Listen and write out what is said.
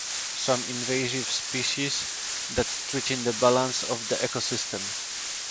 Some invasive species that threaten the balance of the ecosystem.